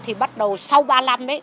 thì bắt đầu sau ba năm ấy